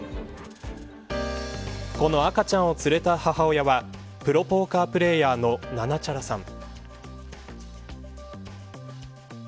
この赤ちゃんを連れた母親はプロポーカープレイヤーのななちゃらさん。